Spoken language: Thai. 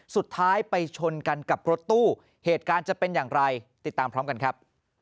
สุดท้ายไปชนกันกับรถตู้เหตุการณ์จะเป็นอย่างไรติดตามพร้อมกันครับ